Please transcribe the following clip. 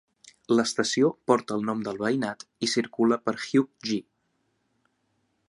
L"estació porta el nom del veïnat i circula per Hugh J.